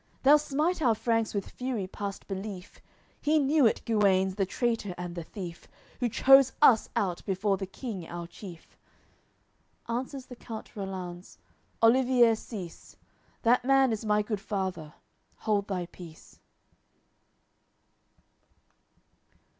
They'll smite our Franks with fury past belief, He knew it, Guenes, the traitor and the thief, Who chose us out before the King our chief." Answers the count Rollanz: "Olivier, cease. That man is my good father; hold thy peace."